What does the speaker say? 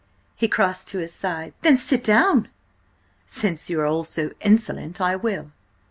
He crossed to his side. "Then sit down!" "Since you are all so insistent, I will.